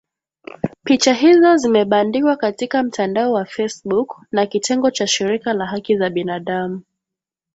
Picha hizo zimebandikwa katika mtandao wa facebook na kitengo cha shirika la haki za binadamu